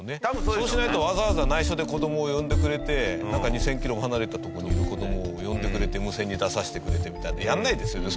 そうしないとわざわざ内緒で子供を呼んでくれて２０００キロ離れた所にいる子供を呼んでくれて無線に出させてくれてみたいなやらないですよね